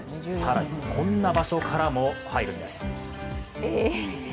更に、こんな場所からも入るんです。